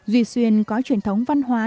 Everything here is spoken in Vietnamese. duy xuyên có truyền thống văn hóa